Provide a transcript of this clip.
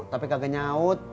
tapi kagak nyaut